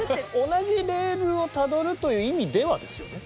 同じレールをたどるという意味ではですよね。